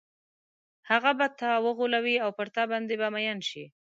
هغه به تا وغولوي او پر تا باندې به مئین شي.